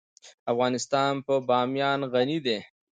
افغانستان په بامیان غني دی.